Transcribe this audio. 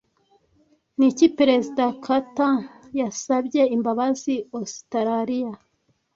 ni iki Perezida Carter yasabye imbabazi Ositaraliya